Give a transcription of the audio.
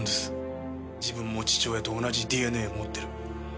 自分も父親と同じＤＮＡを持ってる。